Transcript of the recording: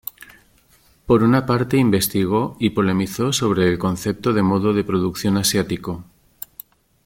Por una parte investigó y polemizó sobre el concepto de modo de producción asiático.